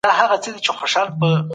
کله ناکله چاپلوسي پر وړتیا غالبه شي.